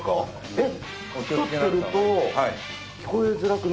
えっ？